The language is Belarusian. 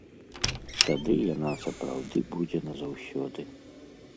Тады яна сапраўды будзе назаўсёды.